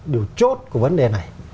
điều chốt của vấn đề này